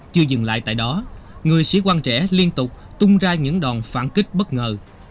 chưa dừng lại tại đó người sĩ quan trẻ liên tục tung ra những đòn phản kích bất ngờ